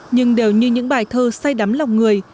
nhưng đều như những bài thơ say đắm lòng người